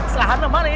selamnya malah ini